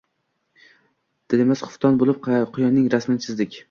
Dilimiz xufton bo`lib, quyonning rasmini chizdik